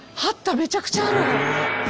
めちゃくちゃある。